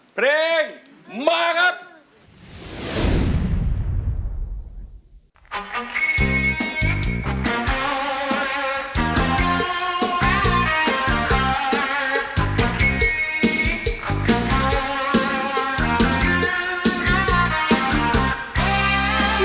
เพลงมาครับ